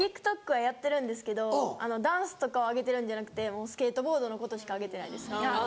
はやってるんですけどダンスとかを上げてるんじゃなくてスケートボードのことしか上げてないです。